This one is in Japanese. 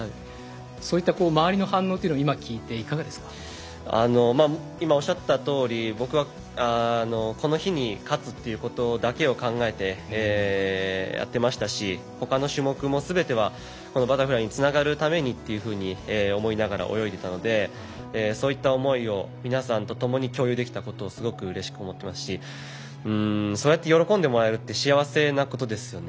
そういった周りの反応というのを今おっしゃったとおり僕は、この日に勝つということだけを考えてやっていましたしほかの種目もすべてはこのバタフライにつながるために思いながら泳いでたのでそういった思いを皆さんと共に共有できたことをすごくうれしく思ってますしそうやって喜んでもらえるって幸せなことですよね。